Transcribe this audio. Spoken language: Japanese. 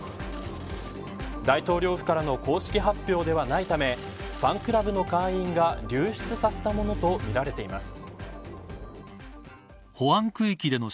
大統領府からの公式発表ではないためファンクラブの会員が流出させたものとみられています。